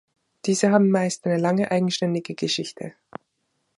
Diese haben meist eine lange eigenständige Geschichte.